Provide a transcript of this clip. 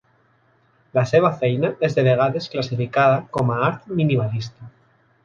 La seva feina és de vegades classificada com a art minimalista.